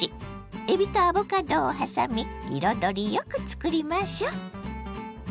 えびとアボカドをはさみ彩りよくつくりましょ。